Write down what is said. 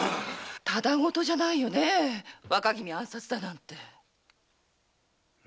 ただごとじゃないよねえ若君暗殺だなんて。